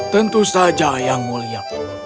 tentu saja yang mulia